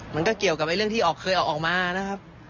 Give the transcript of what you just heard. มันก็เกี่ยวกับเรื่องที่เคยออกมานะครับ